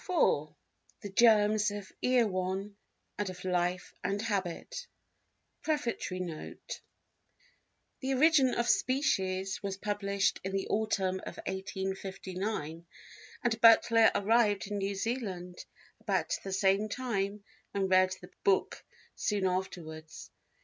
III The Germs of Erewhon and of Life and Habit Prefatory Note THE Origin of Species was published in the autumn of 1859, and Butler arrived in New Zealand about the same time and read the book soon afterwards.